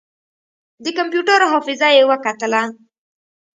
د کمپيوټر حافظه يې وکتله.